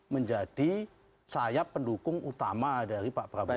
menjadi sayap pendukung utama dari pak prabowo